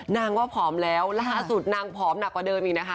นางว่าผอมแล้วล่าสุดนางผอมหนักกว่าเดิมอีกนะคะ